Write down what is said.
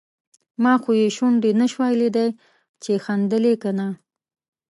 ما خو یې شونډې نشوای لیدای چې خندل یې که نه.